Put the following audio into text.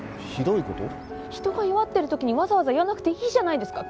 人が弱ってるときにわざわざ言わなくていいじゃないですか。